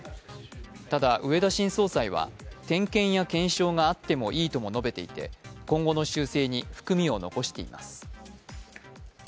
ただ植田新総裁は点検や検証があってもいいとも述べていて今後の修正に含みを残しています。